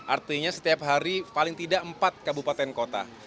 artinya setiap hari paling tidak empat kabupaten kota